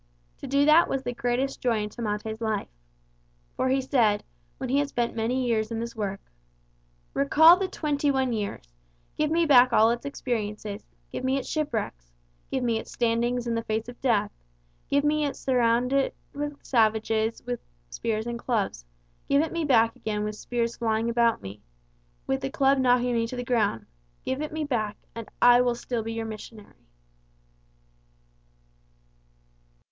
To do that was the greatest joy in Tamate's life. For he said, when he had spent many years in this work: "Recall the twenty one years, give me back all its experiences, give me its shipwrecks, give me its standings in the face of death, give it me surrounded with savages with spears and clubs, give it me back again with spears flying about me, with the club knocking me to the ground, give it me back, and I will still be your missionary."